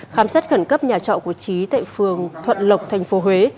khám xét khẩn cấp nhà trọ của trí tại phường thuận lộc tp huế